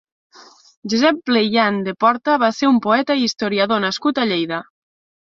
Josep Pleyan de Porta va ser un poeta i historiador nascut a Lleida.